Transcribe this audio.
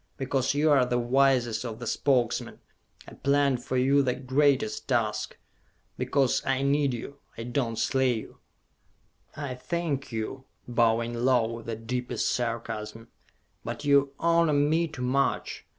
Because you are the wisest of the Spokesmen, I planned for you the greatest task! Because I need you ... I do not slay you!" "I thank you," bowing low, with the deepest sarcasm, "but you honor me too much!